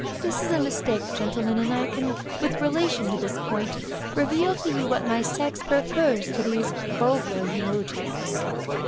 This is a mistake, gentlemen, and I can with relation to this point, reveal to you what my sex prefers to these vulgar eulogiums.